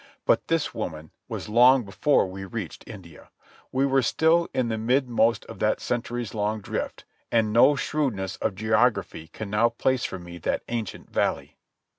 But this woman was long before we reached India. We were still in the mid most of that centuries long drift, and no shrewdness of geography can now place for me that ancient valley.